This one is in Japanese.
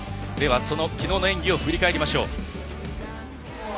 そのきのうの演技を振り返りましょう。